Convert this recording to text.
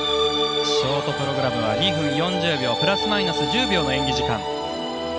ショートプログラムは２分４０秒プラスマイナス１０秒の演技時間。